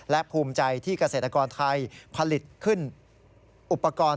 และภูมิใจที่เกษตรกรไทยผลิตขึ้นอุปกรณ์